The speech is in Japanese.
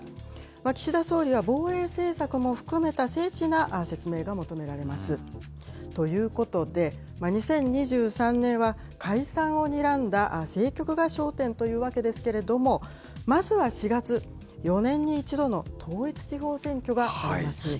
岸田総理は防衛政策も含めた精緻な説明が求められます。ということで、２０２３年は解散をにらんだ政局が焦点というわけですけれども、まずは４月、４年に１度の統一地方選挙があります。